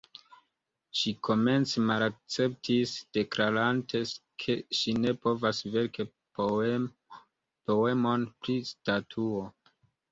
Ŝi komence malakceptis, deklarante ke ŝi ne povas verki poemon pri statuo.